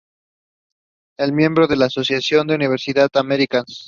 Es miembro de la Asociación de Universidades Americanas.